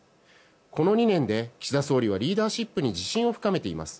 この２年で岸田総理はリーダーシップに自信を深めています。